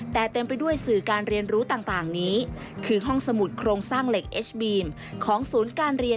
แต่เต็มไปด้วยศือการเรียนรู้ต่างนี้